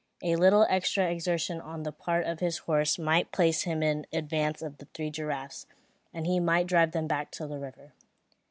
A little extra exertion on the part of his horse might place him in advance of the three giraffes; and he might drive them back to the river.